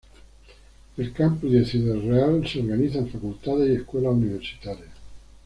El Campus de Ciudad Real se organiza en facultades y escuelas universitarias.